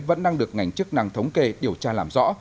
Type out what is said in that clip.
vẫn đang được ngành chức năng thống kê điều tra làm rõ